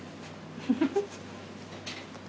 フフフ。